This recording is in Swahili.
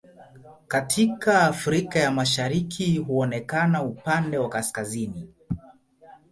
Katika Afrika ya Mashariki huonekana upande wa kaskazini.